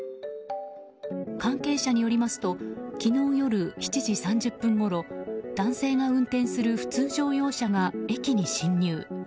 関係者によりますと昨日夜７時３０分ごろ男性が運転する普通乗用車が駅に進入。